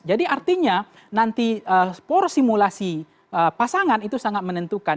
jadi artinya nanti poros simulasi pasangan itu sangat menentukan